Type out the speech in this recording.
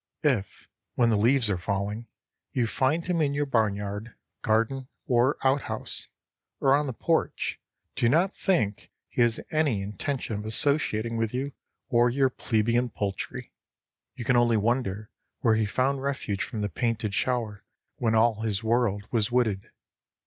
If, when the leaves are falling, you find him in your barnyard, garden, or out house, or on the porch, do not think he has any intention of associating with you or your plebeian poultry. You can only wonder where he found refuge from the painted shower when all his world was wooded.